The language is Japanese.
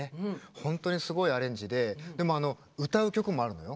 本当にすごいアレンジででも歌う曲もあるのよ。